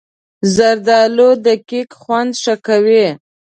زردالو د کیک خوند ښه کوي.